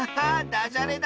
ダジャレだ！